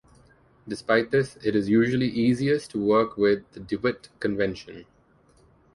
Despite this, it is usually easiest to work with the DeWitt convention.